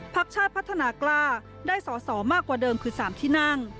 ชาติพัฒนากล้าได้สอสอมากกว่าเดิมคือ๓ที่นั่ง